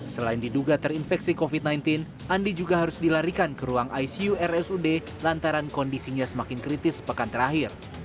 selain diduga terinfeksi covid sembilan belas andi juga harus dilarikan ke ruang icu rsud lantaran kondisinya semakin kritis pekan terakhir